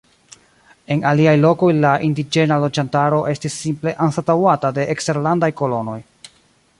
En aliaj lokoj, la indiĝena loĝantaro estis simple anstataŭata de eksterlandaj kolonoj.